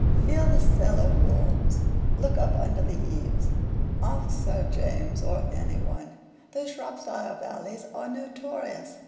Feel the cellar walls; look up under the eaves. Ask Sir James or anyone. Those Shropshire valleys are notorious.